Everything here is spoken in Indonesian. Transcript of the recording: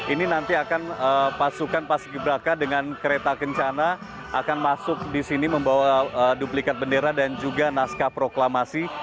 ini nanti akan pasukan paski beraka dengan kereta kencana akan masuk di sini membawa duplikat bendera dan juga naskah proklamasi